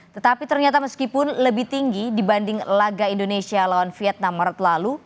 tetapi ternyata meskipun lebih tinggi dibanding laga indonesia lawan vietnam maret lalu